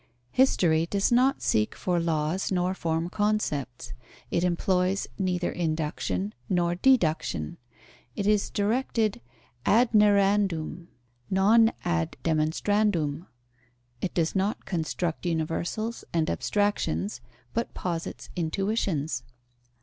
History does not seek for laws nor form concepts; it employs neither induction nor deduction; it is directed ad narrandum, non ad demonstrandum; it does not construct universals and abstractions, but posits intuitions.